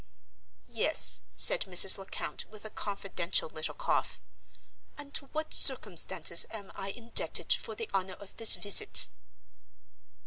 "Yes," said Mrs. Lecount, with a confidential little cough. "And to what circumstances am I indebted for the honor of this visit?"